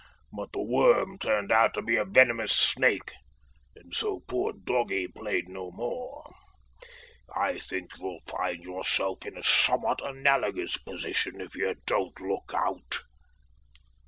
But the worm turned out to be a venomous snake, and so poor doggy played no more. I think you'll find yourself in a somewhat analogous position if you don't look out."